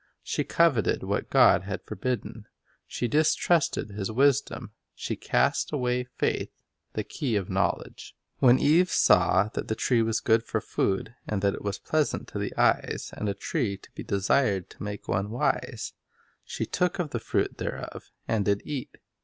She coveted what God had forbidden; she distrusted His wisdom. She cast away faith, the key of knowledge. 1 Ren. 3 : 3 5, The Knowledge of Good and Evil 25 When Eve saw "that the tree was good for food, and that it was pleasant to the eyes, and a tree to be desired to make one wise, she took of the fruit thereof, and did eat."